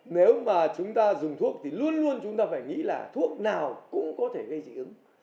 nếu mà chúng ta dùng thuốc thì luôn luôn chúng ta phải nghĩ là thuốc nào cũng có thể gây dị ứng